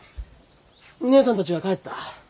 義姉さんたちが帰った。